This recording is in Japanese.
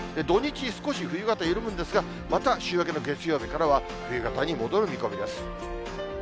土日、少し冬型緩むんですが、また週明けの月曜日からは、冬型に戻る見込みです。